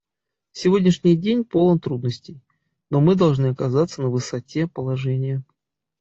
Сегодняшний день полон трудностей, но мы должны оказаться на высоте положения.